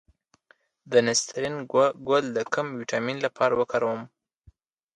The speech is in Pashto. د نسترن ګل د کوم ویټامین لپاره وکاروم؟